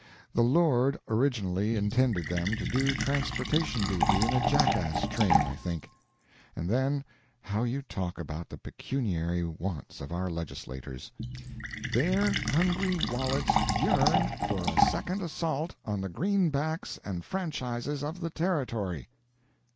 The Lord originally intended them to do transportation duty in a jackass train, I think. And then, how you talk about the pecuniary wants of our legislators: "Their hungry wallets yearn for a second assault on the greenbacks and franchises of the Territory."